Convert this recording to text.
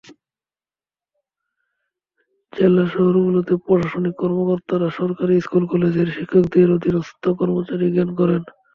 জেলা শহরগুলোতে প্রশাসনিক কর্মকর্তারা সরকারি স্কুল-কলেজের শিক্ষকদের অধীনস্ত কর্মচারী জ্ঞান করেন।